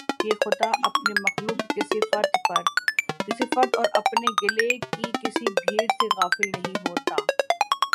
کہ خدا اپنی مخلوق کے کسی فرد اور اپنے گلے کی کسی بھیڑ سے غافل ہوتا ہے